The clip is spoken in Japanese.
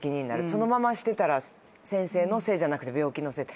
そのまましていたら先生のせいじゃなくて病気のせい。